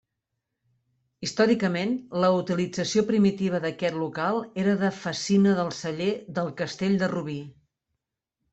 Històricament, la utilització primitiva d'aquest local era de fassina del celler del Castell de Rubí.